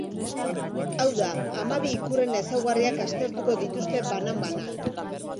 Hau da, hamabi ikurren ezaugarriak aztertuko dituzte banan-banan.